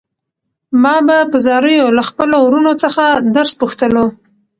ما به په زاریو له خپلو وروڼو څخه درس پوښتلو.